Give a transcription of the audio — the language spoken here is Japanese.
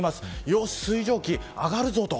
よし、水蒸気、上がるぞと。